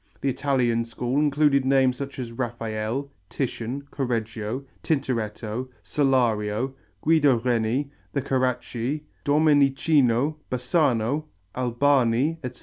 The Italian school included names such as Raphael, Titian, Correggio, Tintoretto, Solario, Guido Reni, the Carracci, Domenichino, Bassano, Albani, etc.